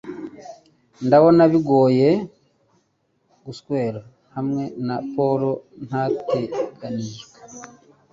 Ndabona bigoye guswera hamwe na Paul, ntateganijwe